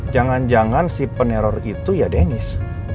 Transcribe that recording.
jangan jangan si peneror itu ya denis